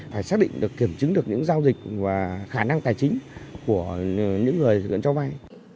phải xác định được kiểm chứng được những giao dịch và khả năng tài chính của những người thực hiện cho vay